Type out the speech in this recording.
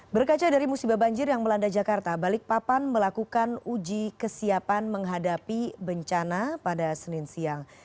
berkaca dari musibah banjir yang melanda jakarta balikpapan melakukan uji kesiapan menghadapi bencana pada senin siang